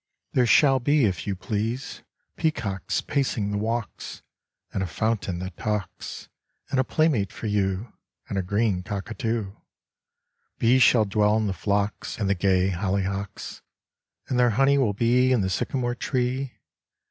There shall be if you please Peacocks pacing the walks, And a fountain that talks, And a playmate for you, And a green cockatoo. Bees shall dwell in the phlox And the gay hollyhocks, And their honey will be In the sycamore tree.